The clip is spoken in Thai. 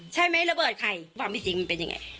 ใช่ไหมระเบิดใครความผิดสิ่งมันเป็นยังไง